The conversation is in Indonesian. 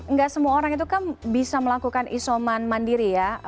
nggak semua orang itu kan bisa melakukan isoman mandiri ya